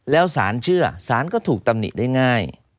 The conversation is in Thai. แล้วสารเชื่อสารก็ถูกตำหนิได้ง่าย